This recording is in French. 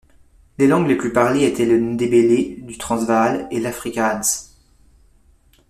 Les langues les plus parlées étaient le ndébélé du Transvaal et l'afrikaans.